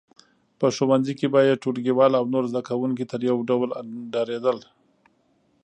په ښوونځي کې به یې ټولګیوال او نور زده کوونکي ترې یو ډول ډارېدل